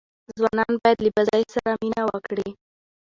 ځوانان باید له بازۍ سره مینه وکړي.